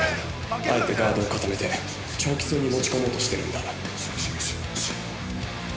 あえてガードを固めて、長期戦に持ち込もうとしているんだ。